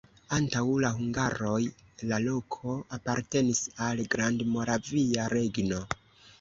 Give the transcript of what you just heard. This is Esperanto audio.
Antaŭ la hungaroj la loko apartenis al Grandmoravia Regno.